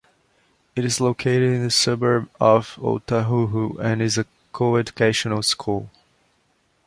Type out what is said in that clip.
It is located in the suburb of Otahuhu and is a co-educational school.